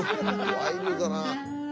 ワイルドだな。